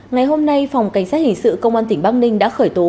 ngày hôm nay phòng cảnh sát hình sự công an tỉnh bắc ninh đã khởi tố